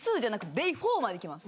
ｄａｙ４までいきます